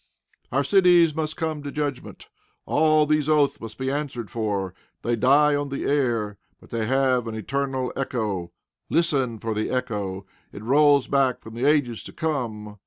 Our cities must come to judgment. All these oaths must be answered for. They die on the air, but they have an eternal echo. Listen for the echo. It rolls back from the ages to come.